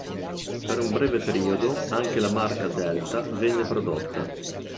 Per un breve periodo anche la marca Delta venne prodotta.